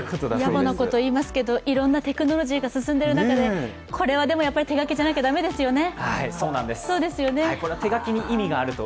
やぼなこと言いますけれどもいろんなテクノロジーが進んでいる中で、これは手書きじゃないと駄目ですよね、